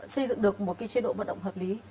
xây dựng được một chế độ vận động hợp lý